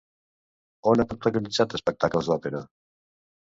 On ha protagonitzat espectacles d'òpera?